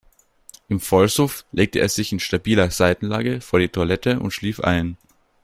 Im Vollsuff legte er sich in stabiler Seitenlage vor die Toilette und schlief ein.